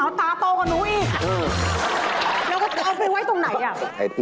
แล้วเอาไปไว้ตรงไหน